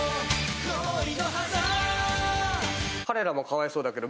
彼らもかわいそうだけど。